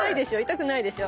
痛くないでしょ。